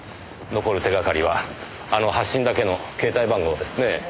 残る手掛かりはあの発信だけの携帯番号ですねえ。